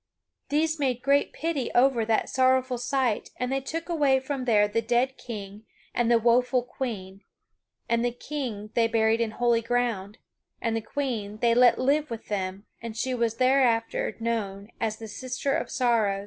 These made great pity over that sorrowful sight, and they took away from there the dead King and the woeful Queen, and the King they buried in holy ground, and the Queen they let live with them and she was thereafter known as the "Sister of Sorrows."